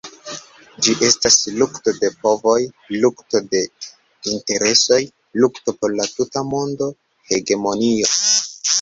Ĝi estas lukto de povoj, lukto de interesoj, lukto por la tutmonda hegemonio.